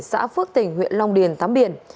xã phước tỉnh huyện long điền thắm biển